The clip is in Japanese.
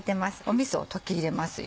みそを溶き入れますよ